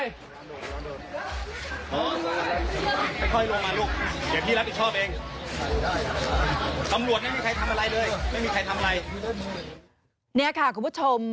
นี่แหละค่ะคุณผู้ชม